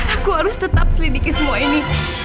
aku harus tetap selidiki semua ini